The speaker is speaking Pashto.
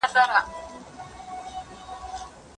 د ميرمنو تر منځ په قسم کې عدل کول ولي لازم دي؟